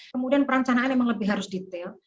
kemudian perencanaan memang lebih harus detail